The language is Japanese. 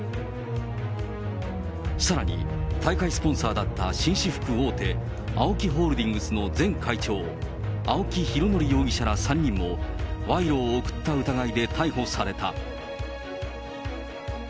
さらに、大会スポンサーだった、紳士服大手、ＡＯＫＩホールディングスの前会長、青木拡憲容疑者ら３人も、賄賂を贈った疑いで逮捕された。